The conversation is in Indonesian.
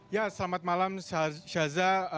ya selamat malam syaza